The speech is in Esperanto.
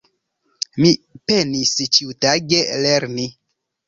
Mi penis ĉiutage lerni.